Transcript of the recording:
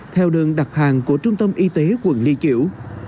theo đường đặc hàng của trung tâm y tế quận ly kiểu